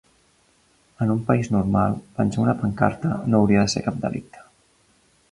En un país normal penjar una pancarta no hauria de ser cap delicte.